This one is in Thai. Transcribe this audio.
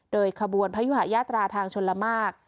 โดยขบวนพยุหายาตราทางชนละมาก